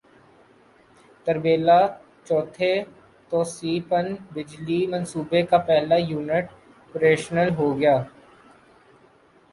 تربیلا چوتھے توسیعی پن بجلی منصوبے کا پہلا یونٹ پریشنل ہوگیا